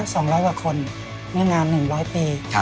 สองร้อยกว่าคนไม่นานหนึ่งร้อยปี